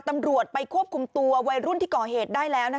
ตำรวจไปควบคุมตัววัยรุ่นที่ก่อเหตุได้แล้ว